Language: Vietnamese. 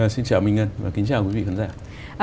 xin chào minh ngân và kính chào quý vị khán giả